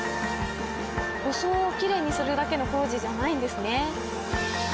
装をきれいにするだけの工事じゃないんですね。